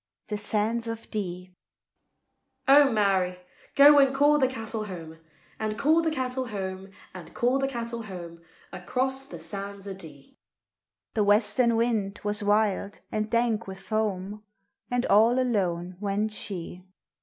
THE SANDS O' DEE. "O Mary, go and call the cattle home, And call the cattle home, And call the cattle home, Across the sands o' Dee!" The western wind was wild and dank wi' foam, And all alone went she.